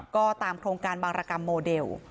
ก็ตามโครงการบางรกรรมโมเดล